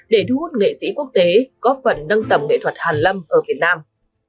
để thu hút nghệ sĩ quốc tế góp phần nâng tầm nghệ thuật hàn lâm ở việt nam